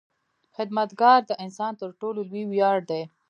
• خدمتګاري د انسان تر ټولو لوی ویاړ دی.